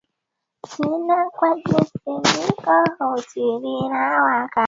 maanake kuingilia jambo kama hili kwa kwa njia za kivita